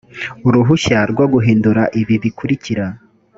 uruhushya rwo guhindura ibi bikurikira